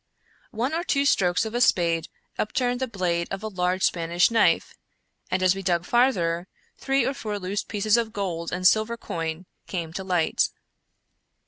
One or two strokes of a spade upturned the blade of a large Spanish knife, and, as we dug farther, three or four loose pieces of gold and silver coin came to light.